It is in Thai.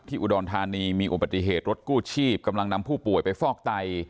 อุดรธานีมีอุบัติเหตุรถกู้ชีพกำลังนำผู้ป่วยไปฟอกไต